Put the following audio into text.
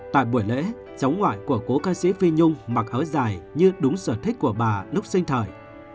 tại buổi lễ chóng ngoại của cố ca sĩ phi nhung mặc ở dài như đúng sở thích của bà nút sinh thời